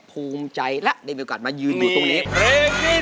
ภูมิใจและได้มีโอกาสมายืนอยู่ตรงนี้